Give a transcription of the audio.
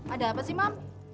ada apa sih mam